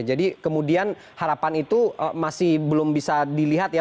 jadi kemudian harapan itu masih belum bisa dilihat ya